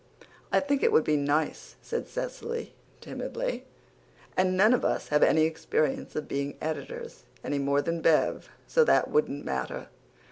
"I think it would be nice," said Cecily timidly, "and none of us have any experience of being editors, any more than Bev, so that wouldn't matter."